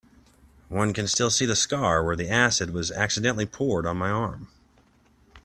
One can still see the scar where the acid was accidentally poured on my arm.